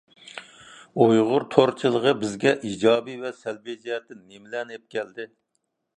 ئۇيغۇر تورچىلىقى بىزگە ئىجابىي ۋە سەلبىي جەھەتتىن نېمىلەرنى ئېلىپ كەلدى؟